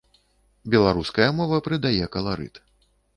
Беларуская мова прыдае каларыт.